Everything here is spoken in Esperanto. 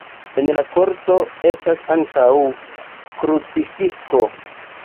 En la korto estas ankaŭ krucifikso.